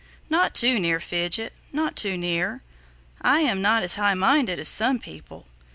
"Not too near, Fidget; not too near. I am not as high minded as some people.